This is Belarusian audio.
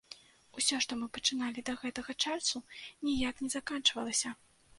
Усё што мы пачыналі да гэтага часу, ніяк не заканчвалася.